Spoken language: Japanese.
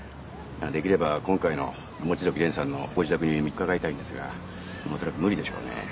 できれば今回の望月蓮さんのご自宅にも伺いたいのですが恐らく無理でしょうね。